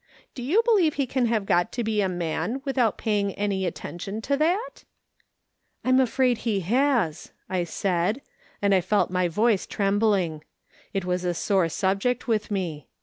Do you believe he can have got to be a man witliout paying any attention to that ?"" I am afraid he has," I said, and I felt my voice trembling ; it was a sore subject witli me.